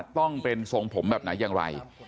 ต้องเป็นทรงผมแบบไหนอย่างไร